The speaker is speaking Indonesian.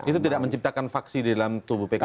itu tidak menciptakan vaksi di dalam tubuh pkp sendiri